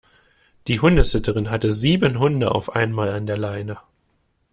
Die Hundesitterin hatte sieben Hunde auf einmal an der Leine.